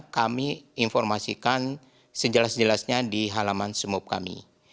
kami informasikan sejelas jelasnya di halaman smob kami